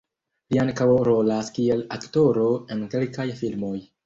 Li ankaŭ rolas kiel aktoro en kelkaj filmoj.